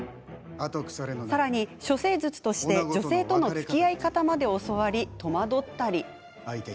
さらに、処世術として女性とのつきあい方まで教わり戸惑ったり。